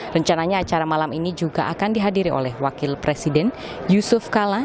rencananya acara malam ini juga akan dihadiri oleh wakil presiden yusuf kala